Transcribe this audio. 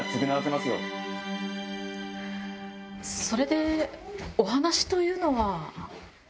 それでお話というのは？